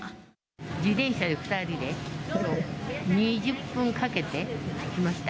自転車で２人で２０分かけてきました。